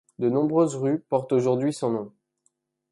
De nombreuses rues portent aujourd'hui son nom.